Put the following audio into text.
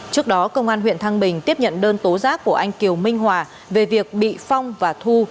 trước đó công an huyện thăng bình tiếp nhận đơn tố giác của anh kiều minh hòa về việc bị phong và thu